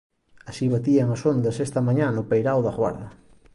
Así batían as ondas esta mañá no peirao da Guarda.